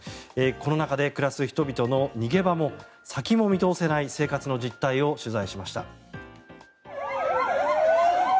この中で暮らす人々の逃げ場も、先も見通せない生活の実態を取材しました。